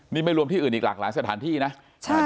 นี่ไม่รวมที่อื่นอีกหลากหลายสถานที่นะใช่ค่ะ